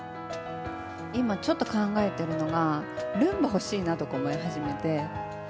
今ちょっと考えてるのが、ルンバ欲しいなとか思い始めて。